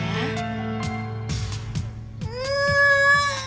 sabar anak ya